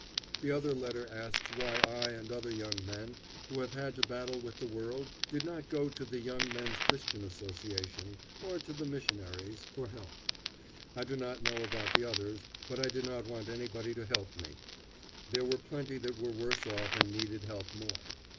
The other letter asks why I and other young men who have had to battle with the world did not go to the Young Men's Christian Association, or to the missionaries, for help. I do not know about the others, but I did not want anybody to help me. There were plenty that were worse off and needed help more.